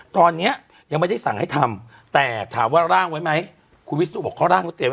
ตอนนี้ยังไม่ได้สั่งให้ทำแต่ถามว่าร่างไว้ไหมคุณวิศนุบอกเขาร่างเขาเตรียมไว้